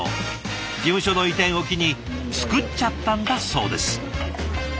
事務所の移転を機に作っちゃったんだそうです。